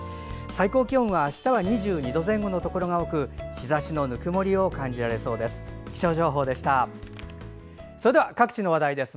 最高気温は、あしたは２２度前後のところが多く日ざしのぬくもりを感じられそうです。